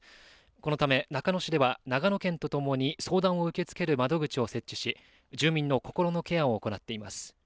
このため中野市では長野県とともに相談を受け付ける窓口を設置し住民の心のケアを行っています。